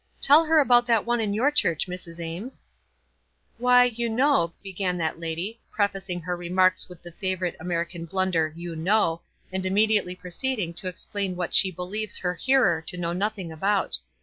Tell her about that one in your church, Mrs. Ames." WISE AND OTHERWISE. 41 "Why, you know," began that lady, prefac ing her remarks with the favorite American blunder "you know;" and immediately pro ceeding to explain what she believes her hearer to know nothing about.